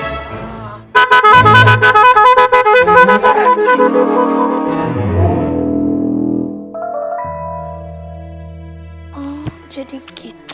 oh jadi gitu